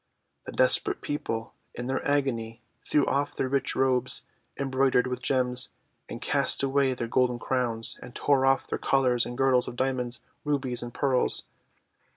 The desperate people, in their agony, threw off their rich robes embroidered with gems, and cast away their golden crowns, and tore off their collars and girdles of Diamonds, Rubies, and Pearls.